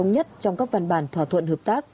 nhất trong các văn bản thỏa thuận hợp tác